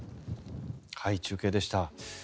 中継でした。